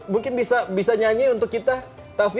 mungkin bisa nyanyi untuk kita taufik